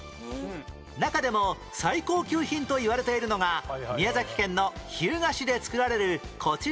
中でも最高級品といわれているのが宮崎県の日向市で作られるこちらの碁石